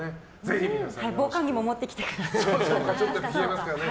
防寒着も持ってきてくださいね。